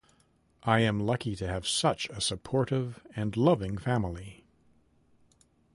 I am lucky to have such a supportive and loving family.